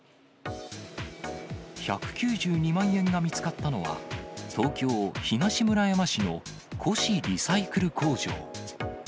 １９２万円が見つかったのは、東京・東村山市の古紙リサイクル工場。